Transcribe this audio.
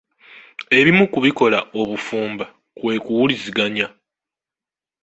Ebimu ku bikola obufumba kwe kuwuliziganya.